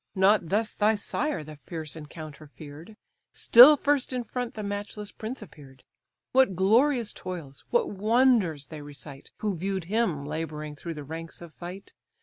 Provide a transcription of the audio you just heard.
Not thus thy sire the fierce encounter fear'd; Still first in front the matchless prince appear'd: What glorious toils, what wonders they recite, Who view'd him labouring through the ranks of fight?